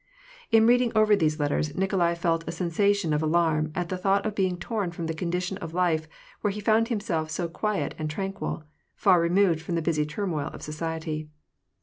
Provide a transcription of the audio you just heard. In reading over these letters, Nikolai felt a sensation of alarm at the thought of being torn from a condition of life where he found himself so quiet and tranquil, far removed from the busy turmoil of society.